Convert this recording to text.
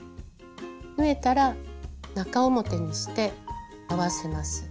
縫えたら中表にして合わせます。